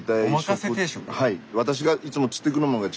はい。